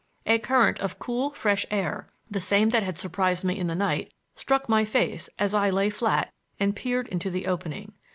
A current of cool fresh air, the same that had surprised me in the night, struck my face as I lay flat and peered into the opening.